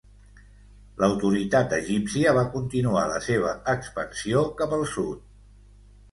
L'autoritat egípcia va continuar la seva expansió cap al sud.